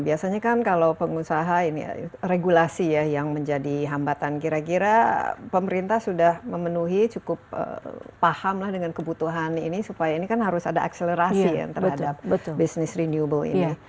biasanya kan kalau pengusaha ini regulasi ya yang menjadi hambatan kira kira pemerintah sudah memenuhi cukup paham lah dengan kebutuhan ini supaya ini kan harus ada akselerasi ya terhadap bisnis renewable ini